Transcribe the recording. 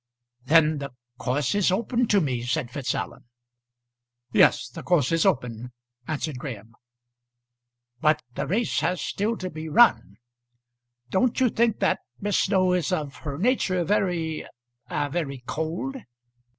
"Then the course is open to me," said Fitzallen. "Yes, the course is open," answered Graham. "But the race has still to be run. Don't you think that Miss Snow is of her nature very very cold?"